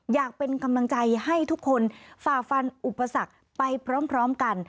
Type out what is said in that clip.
อยากเป็นกำลังใจให้ทุกคนฝ่าฟันอุปสรรคไปพร้อมกัน